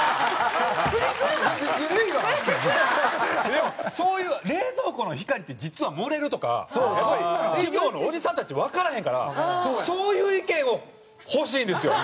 でもそういう冷蔵庫の光って実は盛れるとかやっぱり企業のおじさんたちわからへんからそういう意見を欲しいんですよ。